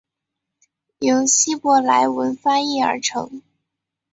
由希伯来文翻译而成。